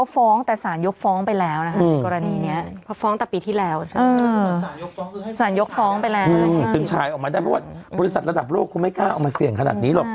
เป็นแล้วซึ่งชายออกมาได้รวดบริษัทระดับโลกคือไม่กล้าออกมาเสี่ยงขนาดนี้หรอก